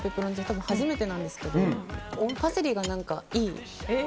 多分、初めてなんですがパセリがいい。